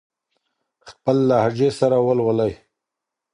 خپل لهجې سره ولولئ.